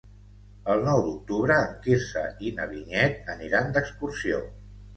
El nou d'octubre en Quirze i na Vinyet aniran d'excursió.